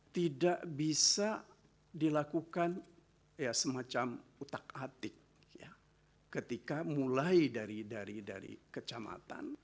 tidak bisa dilakukan semacam utak atik ya ketika mulai dari kecamatan